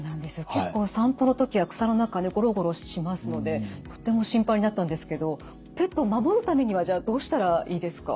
結構散歩の時は草の中ゴロゴロしますのでとっても心配になったんですけどペットを守るためにはじゃあどうしたらいいですか？